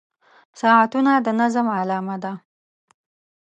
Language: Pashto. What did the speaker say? • ساعتونه د نظم علامه ده.